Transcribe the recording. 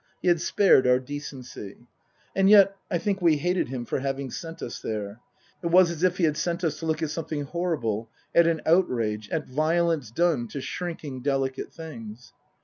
He had spared our decency. And yet I think we hated him for having sent us there. It was as if he had sent us to look at something horrible, at an outrage, at violence done to shrinking, delicate things.